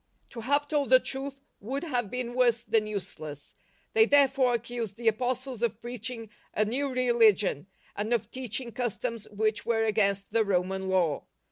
To have told the truth would have been worse than useless; they therefore accused the Apostles of preach ing a new religion, and of teaching customs which were against the Roman Law.